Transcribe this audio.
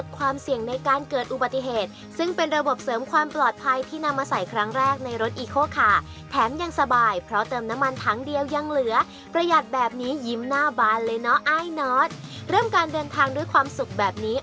ภาษาแบบนี้ยิ้มหน้าบานเลยเนาะไอ้น็อตเริ่มการเดินทางด้วยความสุขแบบนี้